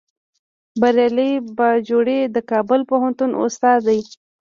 بریالی باجوړی د کابل پوهنتون استاد دی